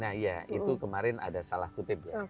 nah iya itu kemarin ada salah kutip ya